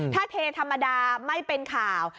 ถ้าเทธรรมดาไม่เป็นข่าว